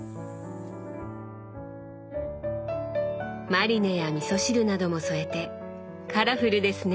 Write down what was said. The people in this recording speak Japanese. マリネやみそ汁なども添えてカラフルですね！